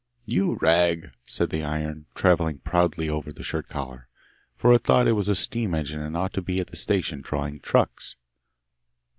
'You rag!' said the iron, travelling proudly over the shirt collar, for it thought it was a steam engine and ought to be at the station drawing trucks.